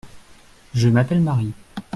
Je m’appelle Mary.